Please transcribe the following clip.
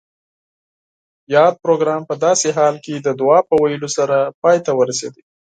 یاد پروګرام پۀ داسې حال کې د دعا پۀ ویلو سره پای ته ورسید